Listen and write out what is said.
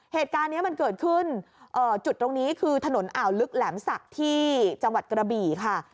เหตุการณ์นี้มันเกิดขึ้นจุดตรงนี้คือถนนอ่าวลึกแหลมศักดิ์ที่จังหวัดกระบี่ค่ะ